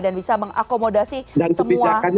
dan bisa mengakomodasi semua yang terkait